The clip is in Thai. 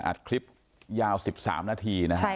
อัดคลิปยาว๑๓นาทีนะฮะ